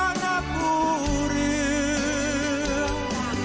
รักษณะภูเรือ